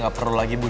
gak perlu kita ikut